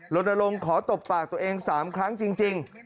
ลงขอตบปากตัวเอง๓ครั้งจริง